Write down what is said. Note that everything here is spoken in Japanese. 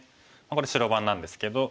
これ白番なんですけど。